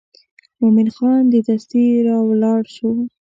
مومن خان دستي راولاړ شو.